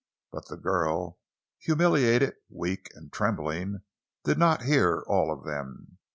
But the girl, humiliated, weak, and trembling, did not hear all of them.